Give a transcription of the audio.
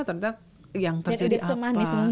ternyata yang terjadi apa